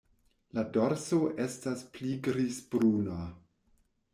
La dorso estas pli grizbruna.